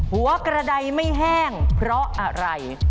หัวกระดายไม่แห้งเพราะอะไร